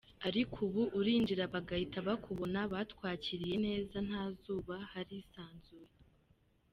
Ariko ubu urinjira bagahita bakubona batwakiriye neza ntazuba, harisanzuye.